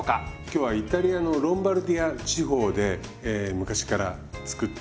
今日はイタリアのロンバルディア地方で昔から作ってるリゾットがあるんですね。